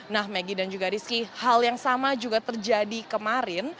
nah maggie dan juga rizky hal yang sama juga terjadi kemarin